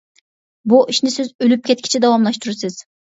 بۇ ئىشنى سىز ئۆلۈپ كەتكۈچە داۋاملاشتۇرىسىز.